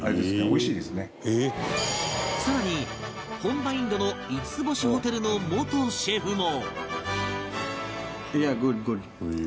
更に本場インドの５つ星ホテルの元シェフも